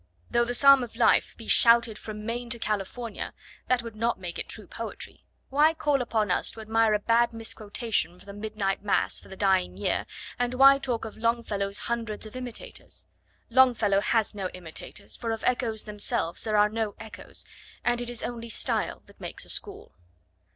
Though the Psalm of Life be shouted from Maine to California, that would not make it true poetry. Why call upon us to admire a bad misquotation from the Midnight Mass for the Dying Year, and why talk of Longfellow's 'hundreds of imitators'? Longfellow has no imitators, for of echoes themselves there are no echoes and it is only style that makes a school.